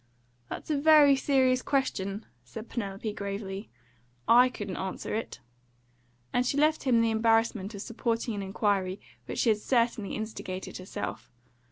"That's a very serious question," said Penelope gravely. "I couldn't answer it," and she left him the embarrassment of supporting an inquiry which she had certainly instigated herself.